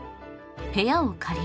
部屋を借りる。